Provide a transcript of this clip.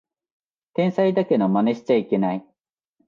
天才だけどマネしちゃいけない